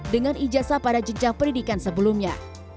dengan ijazah pada jejak pendidikan sebelumnya